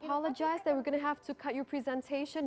ada tiga jenis grup pendapatan